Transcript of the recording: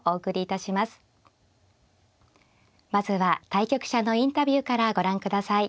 まずは対局者のインタビューからご覧ください。